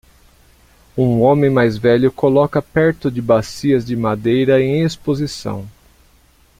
Um homem mais velho coloca perto de bacias de madeira em exposição.